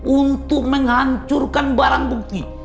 untuk menghancurkan barang bukti